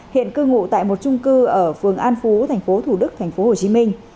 hiện cư ngụ tại một trung cư ở phường an phú thành phố thủ đức thành phố hồ chí minh